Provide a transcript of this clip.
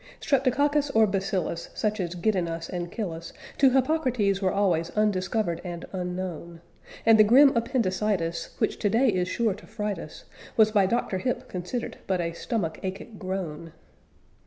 Streptococcus or bacillus such as get in us and kill us to Hippocrates were always undiscovered and unknown, And the grim appendicitis which today is sure to fright us, was by Dr. Hip considered but a stomach achic groan.